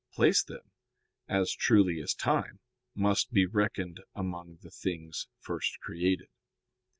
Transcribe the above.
Place, then, as truly as time, must be reckoned among the things first created.